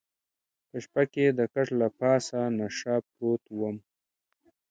په شپه کې د کټ له پاسه نشه پروت وم.